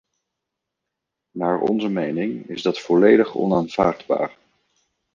Naar onze mening is dat volledig onaanvaardbaar.